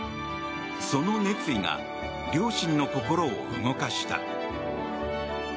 その熱意が両親の心を動かした。